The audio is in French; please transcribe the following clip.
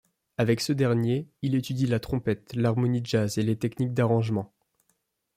Avec ce dernier, il étudie la trompette, l'harmonie jazz et les techniques d'arrangement.